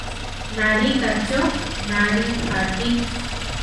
Nalíka cho náli ati.